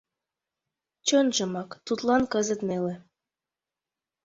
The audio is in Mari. Чынжымак тудлан кызыт неле.